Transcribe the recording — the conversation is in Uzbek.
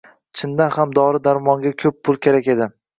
Chindan ham, dori-darmonga ko`p pul kerak edi